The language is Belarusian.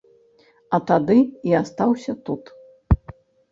А тады і астаўся тут.